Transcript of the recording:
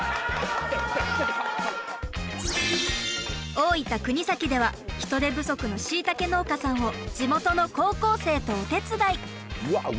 大分・国東では人手不足のしいたけ農家さんを地元の高校生とお手伝い。